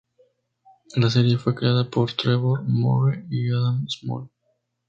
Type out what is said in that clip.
La serie fue creada por Trevor Moore y Adam Small.